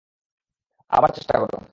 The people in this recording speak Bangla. আবার চেষ্টা কর!